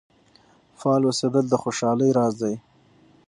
فعال اوسیدل د خوشحالۍ راز دی.